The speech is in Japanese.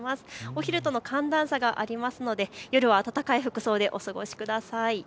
お昼との寒暖差がありますので夜は暖かい服装でお過ごしください。